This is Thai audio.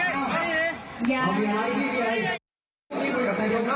เดี๋ยวก้าวข้อเสียครับเอ่ยโอ้โห